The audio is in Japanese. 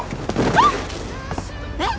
あっえっ？